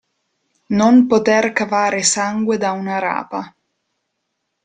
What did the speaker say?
Non poter cavare sangue da una rapa.